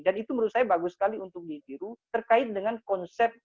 itu menurut saya bagus sekali untuk ditiru terkait dengan konsep